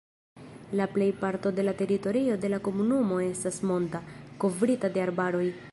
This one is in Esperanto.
La plejparto de la teritorio de la komunumo estas monta, kovrita de arbaroj.